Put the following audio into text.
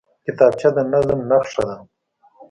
کتابچه د نظم نښه ده